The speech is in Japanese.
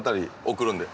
送るんで。